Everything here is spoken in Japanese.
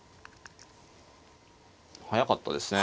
速かったですね。